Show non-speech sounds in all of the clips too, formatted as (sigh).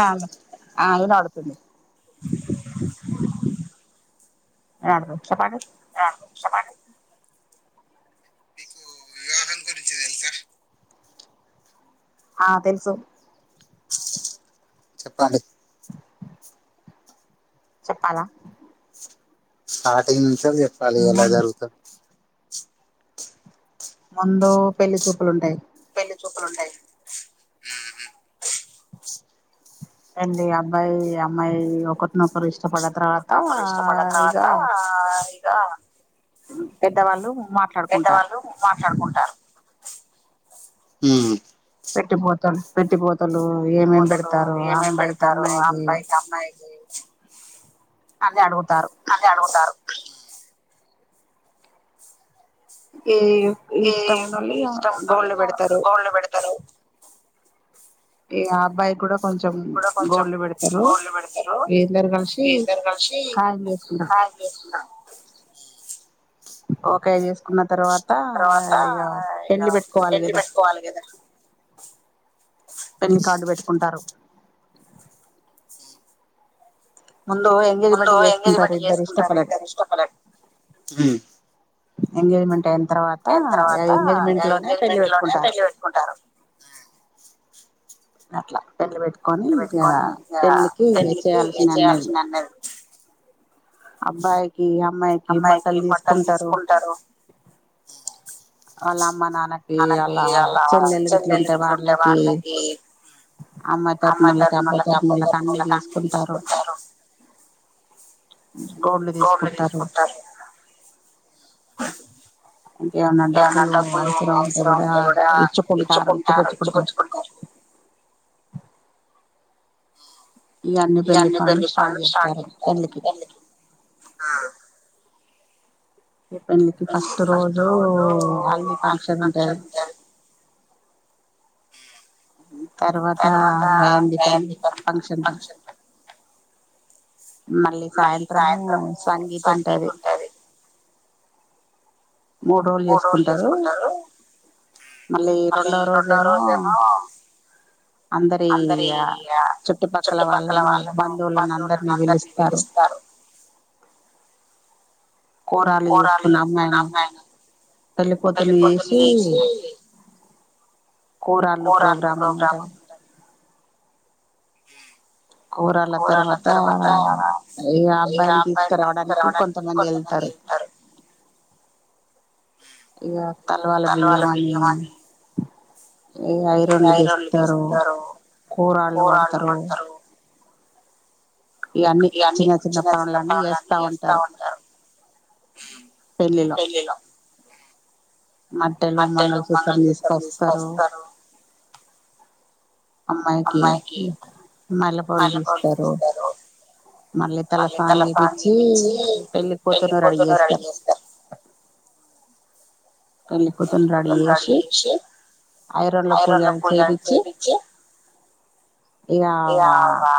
ఆ ఆ అది అతుంది (unintelligible) ఇష్టపడి ఇష్టపడి ఆ తెలుసు చెప్పాలి చెప్పాలా స్టార్టింగ్ నుంచ చెప్పాలి ఎలా జరుగుత ముందు పెళ్లి చూపులుంటాయి తండ్రి అబ్బాయి అమ్మాయి ఒకరినొకరు ఇష్టపడ్డ తర్వాత ఇష్టపడ్డ తరువాత ఆ ఇగ పెద్ద వాళ్ళు మా పెద్ద వాళ్ళు మాట్లాడుకుంటారు ఉం పెట్టిపోతలు పెట్టిపోతలు ఏమేం మేం పెడతారు అబ్బాయికి అమ్మాయికి అదే అడుగు అదే అడుగుతారు ఏ ఇష్టం ఉన్నోల్లు ఇగ గోల్డ్ పెడతారు ఇగ అబ్బాయి కూడా కొంచెం గోల్డ్ పెడతరు అందరు కలిసి ఖాయం చేసుకుంటా ఓకే చేసుకున్న తర్వాత ఇక ఇగ పెళ్లి పెట్టుకోవాలి కదా పెళ్లి కార్డు పెట్టుకుంటారు ముందు ఎంగేజ్మెంట్ చేసుకుంటారు ఇద్దరు ఇష్టపడ్డక ఎంగేజ్మెంట్ అయి తర్వాత ఆ ఎంగేజ్మెంట్ లోనే పెళ్లి పెట్టుకుంటారు అట్లా పెంట్ల బెట్టుకొని ఇంగ పెళ్ళికి ఇక చేయాల్సిన అన్నది అమ్మాయికి బట్టలు దీసుకుంటారు మనకి అలా (unintelligible) వాళ్ళకి అమ్మాయ్ తరుపునోల్లకి అబ్బాయ్ తరుపునోల్లకి అన్ని తీసుకుంటారు గోల్డ్ దీసుకుంటార్ ఏమన్నా డబ్బులు అవసరం ఉంటే గూడా ఇచ్చుకుంటారు ఇచ్చుపుచ్చుకుంటారు ఇగ అన్ని పెళ్లి పనులు స్టార్ట్ చేస్తారు పెళ్లికి ఆ ఇంగ్ ఫస్టు రోజు అగలి ఫంక్షన్ జెర్ తర్వాత మెహంది కన్ ఫంక్షన్ రా మళ్ళీ సాయంత్రము సంగీతుంటది మూడ్రోజులు జేసుకుంటారు మళ్ళీ రెండో రోజేమో అందరి ఇగ చుట్టుపక్కల వాళ్ళను బంధువులను అందరినీ బిలుస్తారు కోరాలి ఎసుకోనీ అమ్మాయిని పెల్లికూతిరిని ఏసి కూరాళ్ళు ప్రోగ్రాము అన్ని ఉంటాయ్ గద ఊ ఈగా అబ్బాయిని దీసుకురావడానికి కొంతమంది ఏళ్తారు ఇగ తలవాల బియ్యమని ఇగ ఐరండ్లు దెస్తారు కూరాళ్లు వడతరు ఇగ అన్ని చిన్న చిన్న పనులు అన్నీ ఏస్తా ఉంటారు పెళ్లిలో మట్టెలు మంగళసూత్రం దిసుకొస్తరు అమ్మాయికి నళ్ళ పూస ఇస్తారు మళ్ళీ తలస్నానం జేపిచ్చి పెళ్లి కూతురుని రెడీ జేస్తారు పెళ్లి కూతుర్ని రడీ ఏషి ఐరండ్ల పూజ చేేపిచ్చి ఇగా ఆ వా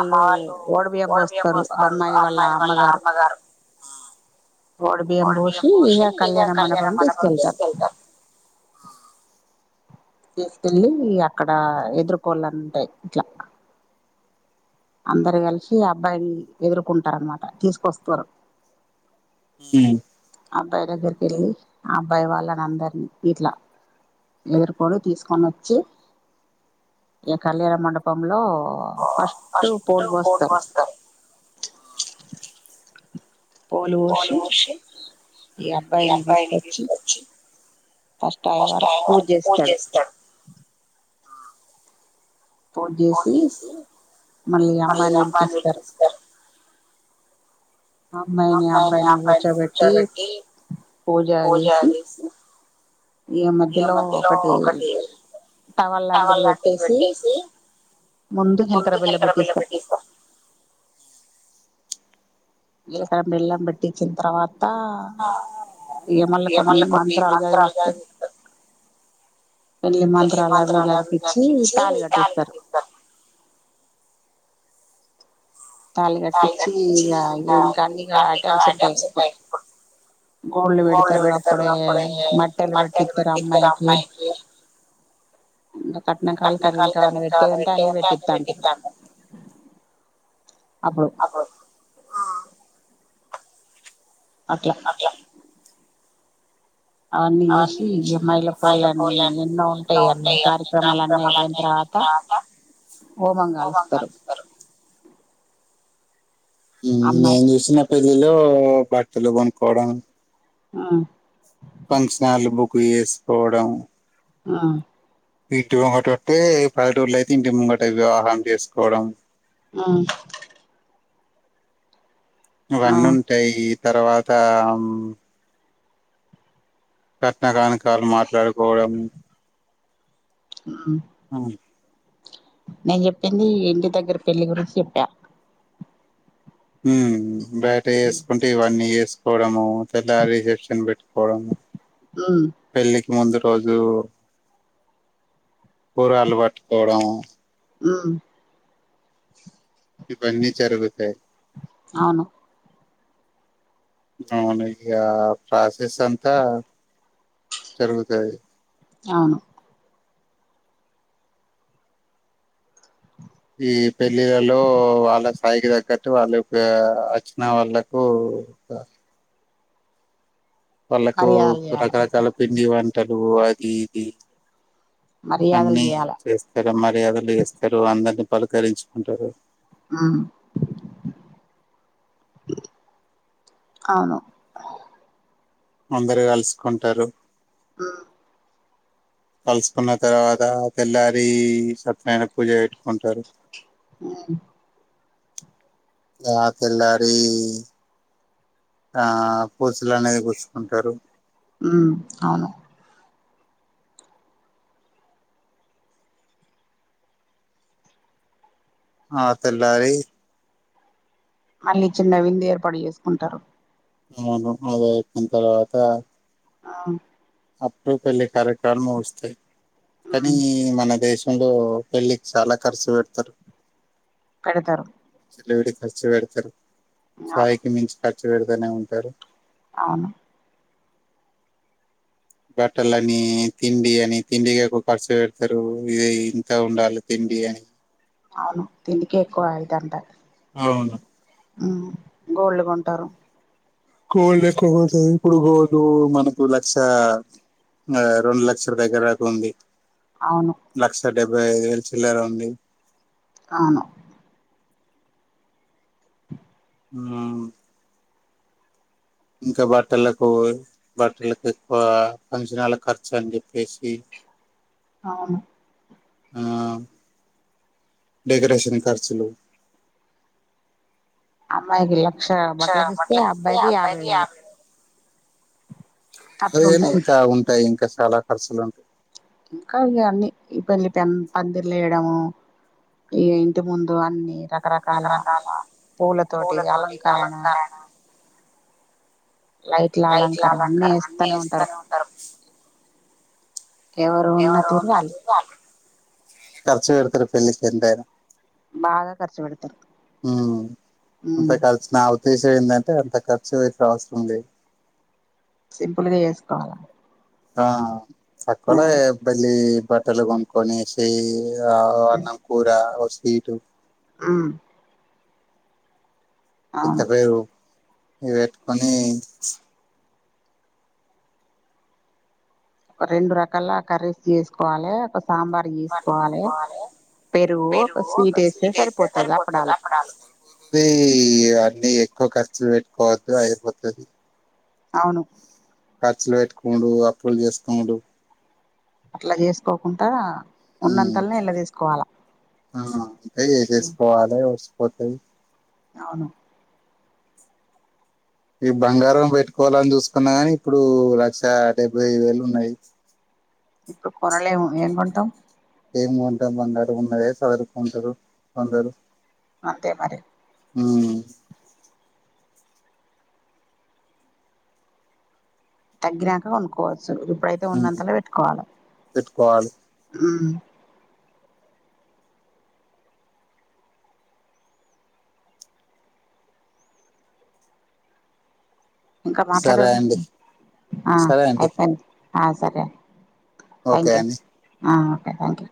అమ్మ వాళ్ళు ఓడిబీయ పోస్తారు ఆ అమ్మాయి వాళ్ళ అమ్మగారు ఆ వొడు బియ్యం బోషీ ఇగ కళ్యాణ మండపం తీసుకెళ్తారు తీసోకెళ్ళి అక్కడ ఎదురుకోల్లని ఉంటాయ్ ఇట్ల అందరు గలిషి అబ్బాయిని ఎదుర్కుంటారు అనమాట తీసుకొస్తారు ఉ అబ్బాయి దగ్గరికెళ్ళి ఆ అబ్బాయి వాళ్ళని అందరినీ ఇట్లా ఎదురుకొడు తీసుకొనొచ్చి ఇగ కళ్యాణ మండపంలో ఆ ఫస్ట్ పోల్ బోస్తారు. పోలు వోషి ఇగ అబ్బాయిని దీసుకొచ్చి ఫష్టు అయివారు పూజ్జేస్తాడు పూజ్జేసి మళ్ళీ అమ్మాయిని పిలిపిస్తారు అమ్మాయిని అమ్బాయిని కూర్చోబెట్టి పూజ జేసి ఇగ మధ్యలో ఒకటి కావల్లాంటిరు గోట్టేసి ముందు హెల్తార బిళ్ళ పెట్టిస్తా జీలకరా బెల్లం పెట్టించిన తర్వాత తా ఇగ మళ్ళ కొన్ని మంత్రాలు చదివిస్తార్ పెళ్ళ మంత్రాలు అవి ఇవి చదివిపించి తాళి కట్టిస్తారు పైనకిచ్చి ఇంగ (unintelligible) ఐటమ్స్ ఉంటాయి. గోళ్ళు పెడతారు అప్పుడే మట్టలు పెట్టితారు అమ్మాయికి ఇంగ కట్న కాలకారి ఇంకా పెట్టేదంట అన్ని పెట్టితాంటారు అప్పుడు అట్లా అవన్నీ చేసి ఇయ మైలా కోలా ఇంగ ఉంటాయ్ అన్ని కారిక్రమాలు అన్ని అయిపోయిన త ఆప హోమం కలుస్తారు హ్మ్ నేను చూసిన పెళ్లిలో బట్టలు కొనుక్కోడం ఆ ఫంక్షన్ హాల్ బుక్ చేసుకోవడం ఆ (unintelligible) పల్లెటూళ్ళయితే ఇంటి ముంగటే వివాహం చేసుకోవడం ఆ ఇవన్నీ ఉంటాయి తర్వాత కట్నకానుకలు మాట్లాడుకోవడం హ్మ్ అవును నేను చెప్పింది ఇంటి దగ్గర పెళ్లి గురించి చెప్పా హ్మ్ బయట చేసుకుంటే ఇవన్నీ చెస్ పోవడము తెల్లారి రిసెప్షన్ పెట్టుకోవడము అ ముందు రోజు కూరాలు పట్టుకోవడం ఆ ఈ పనిచెర్ పేటెయ్ అవును ఇగ ప్రాసెస్ అంతా జరుగుతది అవును ఈ పెళ్ళిళ్ళలో వాళ్ళ స్థాయికి తగ్గట్టు వాళ్ళ వచ్చిన వాళ్ళకు పోతా వాళ్ళకు రకరకాల పిండి వంటలు అది ఇది అన్ని చేస్తారు మర్యాదలు చేస్తారు, అందరిని పలకరించుకుంటారు. ఆ అవును అందరు కలుసుకుంటారు ఆ కలుసుకున్న తర్వాత తెల్లారి సత్యనాయణ పూజ పెట్టుకుంటారు అ యా తెల్లారి ఆ పూసలు అనేది కూచ్చుకుంటారు హ్మ్ అవును ఆ తెల్లారి మళ్ళీ చిన్న విందు ఏర్పాటు చేసుకుంటారు అవును అది అయిపోయిన తర్వాత ఆ అప్పుడు పెళ్లి కారెక్టర్ ముస్తాయి. కానీ మన దేశం అయ్యో పెళ్ళికి చాలా ఖర్చు పెడతారు కడుతరు కలివిడికి ఖర్చు పెడతారు స్థాయికి మించి ఖర్చు పెడతనే ఉంటారు. అవును బట్టలని తిండి అని తిండికి ఎక్కువ ఖర్చు పెడతారు ఇగ ఇది ఇంత ఉండాలి తిన్ డి అని అవును తిండికే ఎక్కువ పెడతాంటారు అవును ఉ గోల్ద్ కొంటారు కోల్డ్ ఎక్కువ కొనద్దు ఇప్పుడు (unintelligible) మనకు లక్ష ఆ రెండు లక్షల దగ్గరకు ఉంది అవును డెబ్బై ఐదు వేలు చెల్లారా ఉంది ఆవును ఆ ఇంకా బట్టలకు బట్టలకు ఎక్కువ ఫంక్షనాలకు ఖర్చు అని చెప్పేసి (inaudible) అవును ఆ డెకరేషన్ ఖర్చులు అమ్మాాయికి లక్ష బట్టలక్కీస్తే అబ్బాయికి యాభై వేలు. అదేమి ఇంకా ఉంటాయి ఇంకా చాలా ఖర్చులు ఇంకా ఇ అన్ని ఈ పెళ్లి ప్యన్ పందిర్లు వేయడము ఇగ ఇంటి ముందు అన్నీర్ రకరకాల పూలతోటి అలంకరణ లైట్ల అలంకారణ అన్నీ ఇస్తనే ఉంటారు ఎవరెవరు నచ్చితే అట్లు ఖర్చు పెడుతారు పెళ్ళకి ఎంతైనా ఉ అంత ఖర్చు నా ఉద్దెశ్ దేందంటే అంత ఖర్చు పెట్ అవసరం లేదు సింపుల్గా యేసుకోవాలా ఆ తక్కువలో ఏ పెళ్లి బట్టలు కొనుకొనేసి దా అన్నం కూర ఒక స్వీటు ఉ ఇత్త పేరు ఇ పెట్టుకొని ఓ రెండు రకాల కర్రీస్ చేసుకోవాలే ఒక సాంబార్ చేసుకోవాలే మీరు ఒక స్వీట్ వేస్తే సరిపోతది (unintelligible) కి ఎక్కువ ఖర్చు పెట్టుకోవద్దు అయిపోతది అవును ఖర్చులు పెట్టుకునుడు అప్పులు చేసుకునుడు అట్లా చేస్కొకుండ ఉ ఆ అట్లే చేసేస్కోవాలే హోటల్ అవును ఈ బంగారం పెట్టుకోవాలని చూస్కున్నా గాని ఇప్పుడు లక్షా డెబ్బై వేలు ఉన్నాయ్. ఇప్పుడు కొనలేము ఎమ్ కొంటాం ఏం ఉంటే బంగారు ఉన్నదే సరువుకుంటారు అందరు. అంతే మరి ఉ తగ్గినాక కొనుక్కకోవచ్చు ఇప్పుడైతే ఉన్నంతలో పెట్టుకోవాలి. ఊ ఇంకా మాట్లాడ ఆ అయిపోయింది ఆ సరే ఓకే అండి ఆ ఓకే థ్యాంక్ యూ